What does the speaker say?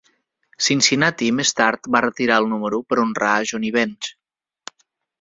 Cincinnati més tard va retirar el número per honrar a Johnny Bench.